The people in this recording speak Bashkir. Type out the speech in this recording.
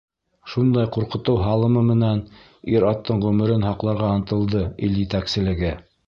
Шундай ҡурҡытыу һалымы менән ир-аттың ғүмерен һаҡларға ынтылды ил етәкселеге.